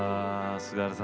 菅原さん